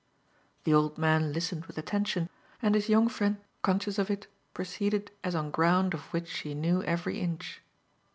The old man listened with attention, and his young friend conscious of it, proceeded as on ground of which she knew every inch.